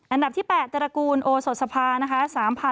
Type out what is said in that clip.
อันดับที่๘ตระกูลโอโสดสภานะคะ